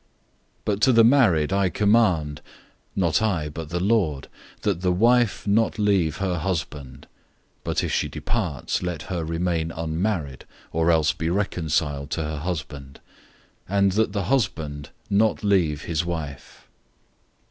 007:010 But to the married I command not I, but the Lord that the wife not leave her husband 007:011 (but if she departs, let her remain unmarried, or else be reconciled to her husband), and that the husband not leave his wife.